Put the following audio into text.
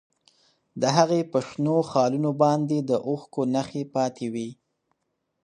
د هغې په شنو خالونو باندې د اوښکو نښې پاتې وې.